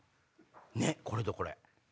ねっこれとこれ。